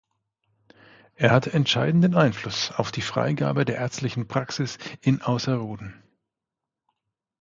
Er hatte entscheidenden Einfluss auf die Freigabe der ärztlichen Praxis in Ausserrhoden.